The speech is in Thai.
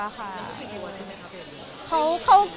น่ากลัวใช่ไหมครับเห็นหรือ